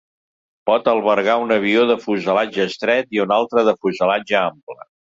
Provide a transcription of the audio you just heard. Pot albergar un avió de fuselatge estret i un altre de fuselatge ample.